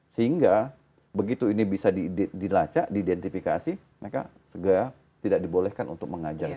sehingga begitu ini bisa dilacak diidentifikasi mereka segera tidak dibolehkan untuk mengajar